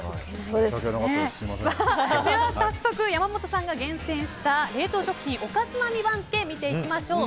では早速、山本さんが厳選した冷凍食品おかづまみ番付見ていきましょう。